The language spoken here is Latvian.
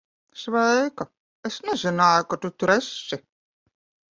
Sveika. Es nezināju, ka tu tur esi.